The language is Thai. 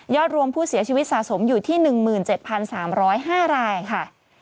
รวมผู้เสียชีวิตสะสมอยู่ที่๑๗๓๐๕รายค่ะ